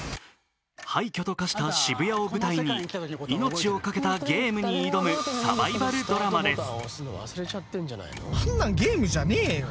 廃虚と化した渋谷を舞台に命を懸けたげぇむに挑むサバイバルドラマです。